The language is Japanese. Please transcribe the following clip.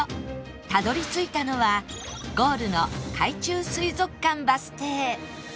たどり着いたのはゴールの海中水族館バス停